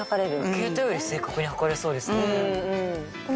ケータイより正確に測れそうですね。